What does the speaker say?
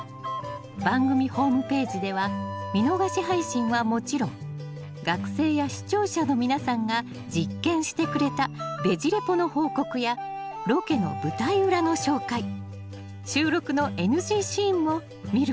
番組ホームページでは見逃し配信はもちろん学生や視聴者の皆さんが実験してくれた「ベジ・レポ」の報告やロケの舞台裏の紹介収録のＮＧシーンも見ることができますよ。